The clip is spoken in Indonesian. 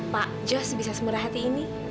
pak jos bisa semurah hati ini